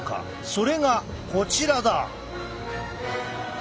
それがこちらだ！